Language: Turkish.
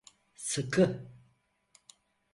Sıkı…